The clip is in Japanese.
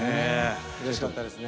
うれしかったですね。